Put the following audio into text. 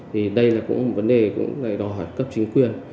thì đây là cũng một vấn đề cũng là đòi hỏi cấp chính quyền